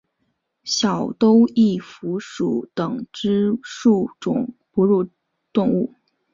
小兜翼蝠属等之数种哺乳动物。